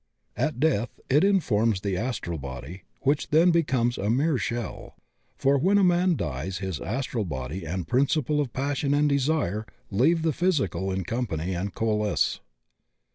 At death it informs the astral body, which then be comes a mere shell; for when a man dies his astral body and principle of passion and desire leave the physical in company and coalesce.